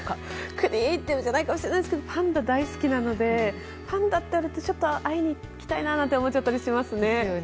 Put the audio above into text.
クリエーティブじゃないかもしれないですけど私、パンダ大好きなのでパンダっていわれるとちょっと会いに行きたいなと思ったりしますね。